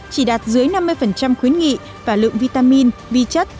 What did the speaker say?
chỉ đạt dưới năm mươi khuyến nghị và lượng vitamin vi chất